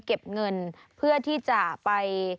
เก็บเงินเพื่อที่จะไป